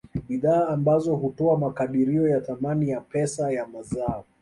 Bidhaa ambazo hutoa makadirio ya thamani ya pesa ya mazao